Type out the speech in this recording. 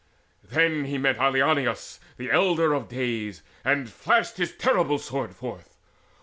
Then met he Ilioneus the elder of days, And flashed his terrible sword forth.